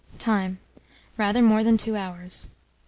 Time. Rather more than 2 hours.